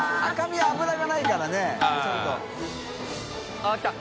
あっきた！